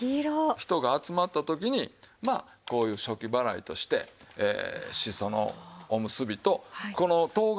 人が集まった時にまあこういう暑気払いとしてしそのおむすびとこの冬瓜のあんかけ。